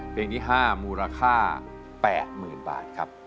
เพลงที่๕มูลค่า๘๐๐๐บาทครับ